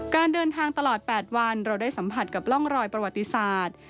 การเดินทางตลอด๘วันเราได้สัมผัสกับร่องรอยประวัติศาสตร์